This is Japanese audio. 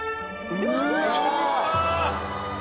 うわ。